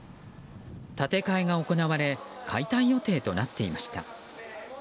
建て替えが行われ解体予定となっていました。